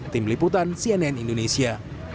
tim liputan cnn indonesia